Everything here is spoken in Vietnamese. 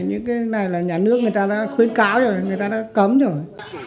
những cái này là nhà nước người ta đã khuyến cáo rồi người ta đã cấm rồi